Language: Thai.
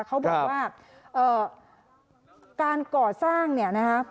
เขาบอกว่าการก่อสร้างเนี่ยนะคะ